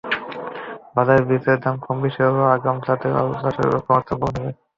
বাজারে বীজের দাম কমবেশি হলেও আগাম জাতের আলু চাষে লক্ষ্যমাত্রা পূরণ হবে।